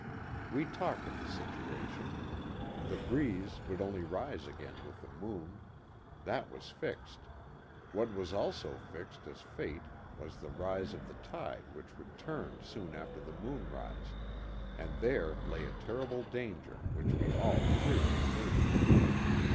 We talked of the situation. The breeze would only rise again with the moon. That was fixed. What was also fixed as fate was the rise of the tide which would turn soon after moon rise, and there lay a terrible danger which we all clearly knew.